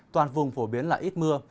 toàn vùng phổ biến là ít mưa